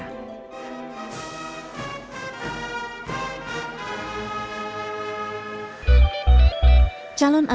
kisah pas kiberaika